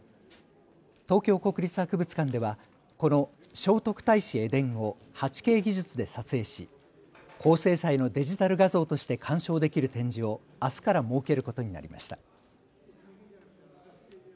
東京国立博物館ではこの聖徳太子絵伝を８Ｋ技術で撮影し高精細のデジタル画像として鑑賞できる展示をあすから設けることになりました。